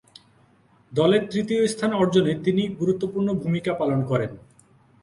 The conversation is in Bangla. দলের তৃতীয় স্থান অর্জনে তিনি গুরুত্বপূর্ণ ভূমিকা পালন করেন।